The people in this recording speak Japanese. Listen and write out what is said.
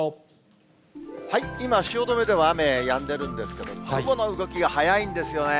今、汐留では雨、やんでるんですけど、雲の動きが速いんですよね。